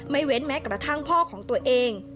เว้นแม้กระทั่งพ่อของตัวเอง